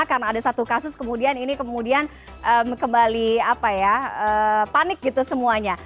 karena ada satu kasus kemudian ini kemudian kembali panik gitu semuanya